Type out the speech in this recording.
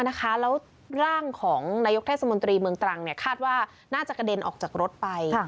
แล้วร่างของนายกเทศมนตรีเมืองตรังคาดว่าน่าจะกระเด็นออกจากรถไป